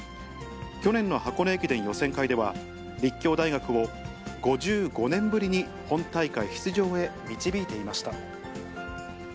去年の箱根駅伝予選会では、立教大学を５５年ぶりに本大会出場へ導いていました。